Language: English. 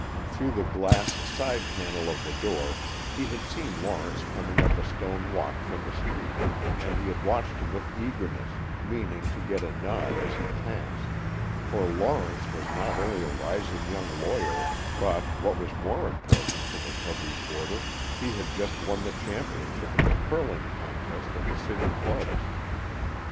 Through the glass side panel of the door he had seen Lawrence coming up the stone walk from the street, and he had watched him with eagerness, meaning to get a nod as he passed, for Lawrence was not only a rising young lawyer, but, what was more important to the cub reporter, he had just won the championship in the curling contest of the city clubs.